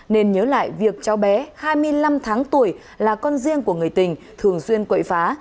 nên nhớ lại việc cháu bé hai mươi năm tháng tuổi là con riêng của người tình thường xuyên quậy phá